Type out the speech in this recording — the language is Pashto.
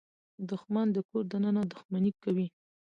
دښمن د کور دننه دښمني کوي